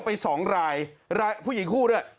ไป๒รายรายผู้หญิงคู่ด้วย